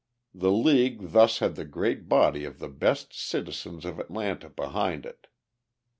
The league thus had the great body of the best citizens of Atlanta behind it.